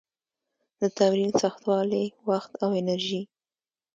د تمرین سختوالي، وخت او د انرژي